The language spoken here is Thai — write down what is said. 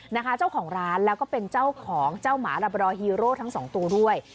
นะคะเจ้าของร้านแล้วก็เป็นเจ้าของเจ้าหมาลาบรอฮีโร่ทั้งสองตัวด้วย